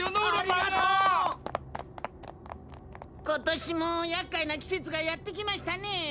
今年もやっかいな季節がやって来ましたね。